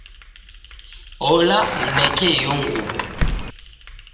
Ola, mneke iyo nguwo.